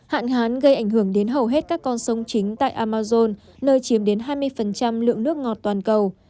hạn hán gây ảnh hưởng đến hầu hết các con sông chính tại amazon nơi chiếm đến hai mươi lượng nước ngọt toàn cầu